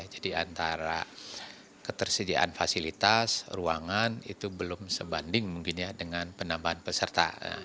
jadi antara ketersediaan fasilitas ruangan itu belum sebanding mungkin dengan penambahan peserta